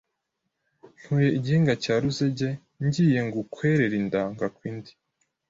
ntuye i Gihinga cya Ruzege, ngiye gukwerere inda, ngakwa indi